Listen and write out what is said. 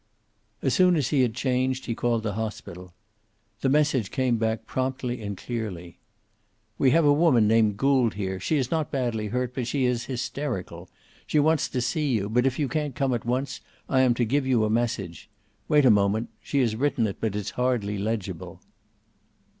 As soon as he had changed he called the hospital. The message came back promptly and clearly. "We have a woman named Gould here. She is not badly hurt, but she is hysterical. She wants to see you, but if you can't come at once I am to give you a message. Wait a moment. She has written it, but it's hardly legible."